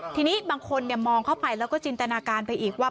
ทีนี้บางคนมองเข้าไปแล้วก็จินตนาการไปอีกว่า